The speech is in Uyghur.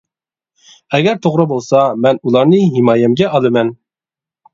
ئەگەر توغرا بولسا، مەن ئۇلارنى ھىمايەمگە ئالىمەن.